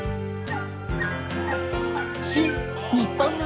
「新・にっぽんの芸能」